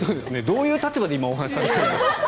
どういう立場で今お話しされてるんですか？